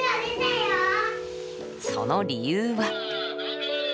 その理由は。